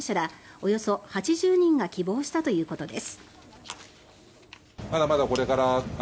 およそ８０人が希望したということです。